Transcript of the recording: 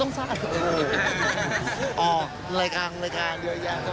อ๋อต้องทราบ